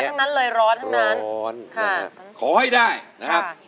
จับมือประคองขอร้องอย่าได้เปลี่ยนไป